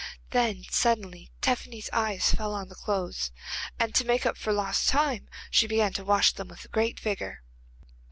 Then suddenly Tephany's eyes fell on the clothes, and to make up for lost time she began to wash them with great vigour.